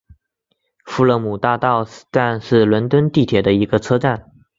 富勒姆大道站是伦敦地铁的一个车站。